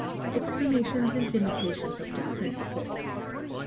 Explanations and Limitations of this Principle.